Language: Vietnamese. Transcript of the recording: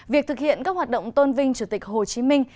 việc thực hiện các hoạt động tôn vinh chủ tịch hồ chí minh